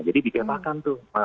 jadi dikepakan tuh